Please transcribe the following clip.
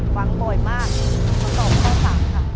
ฟังบ่อยมากตัวเลือกที่สามค่ะ